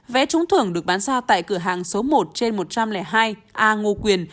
vẽ chúng thưởng được bán ra tại cửa hàng số một trên một trăm linh hai a ngô quyên